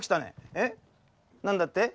えっなんだって？